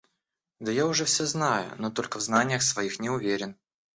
Да я уже всё знаю, но только в знаниях своих не уверен.